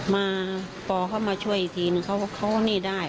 มาพอเข้ามาช่วยอีกทีก็เข้าเข้าอันนี้ได้